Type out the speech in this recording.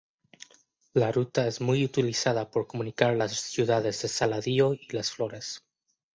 La ruta es muy utilizada por comunicar las ciudades de Saladillo y Las Flores.